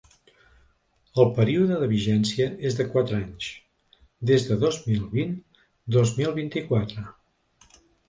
El període de vigència és de quatre anys, des de dos mil vint-dos mil vint-i-quatre.